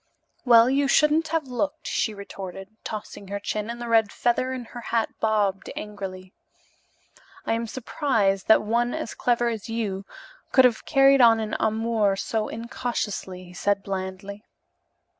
"Well, you shouldn't have looked," she retorted, tossing her chin; and the red feather in her hat bobbed angrily. "I am surprised that one as clever as you are could have carried on an amour so incautiously," he said blandly.